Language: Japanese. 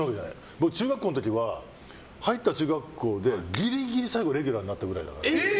僕、中学校の時は入った中学校でギリギリ最後レギュラーになったぐらいだから。